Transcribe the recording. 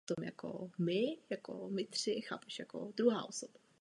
To může v eurozóně zastavit stále slabý a ohrožený růst.